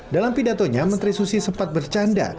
dalam pidatonya menteri susi sempat bercanda